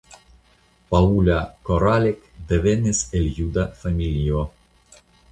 Paula Koralek devenis el juda familio.